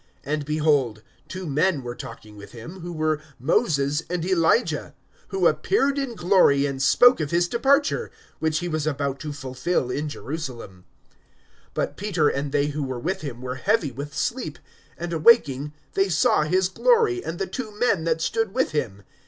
(30)And, behold, two men were talking with him, who were Moses and Elijah; (31)who appeared in glory, and spoke of his departure, which he was about to fulfill in Jerusalem. (32)But Peter and they who were with him were heavy with sleep; and awaking, they saw his glory, and the two men that stood with him.